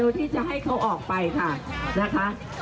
รัฐบาลนี้ใช้วิธีปล่อยให้จนมา๔ปีปีที่๕ค่อยมาแจกเงิน